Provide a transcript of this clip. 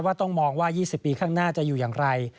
ต้องมองว่า๒๐ปีข้างหน้าจะอยู่อย่างไร